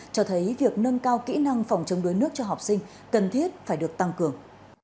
cho thấy việc nâng cao kỹ năng phòng chống đuối nước cho học sinh cần thiết phải được tăng cường